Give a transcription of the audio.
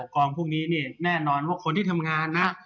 กองพวกนี้นี่แน่นอนว่าคนที่ทำงานนะ